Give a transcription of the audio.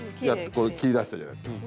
これ切りだしたじゃないですかね？